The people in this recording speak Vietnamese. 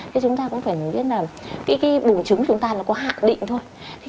thế chúng ta cũng phải nhớ biết là cái bùng trứng chúng ta nó có hạ định thôi